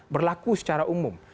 berlaku secara umum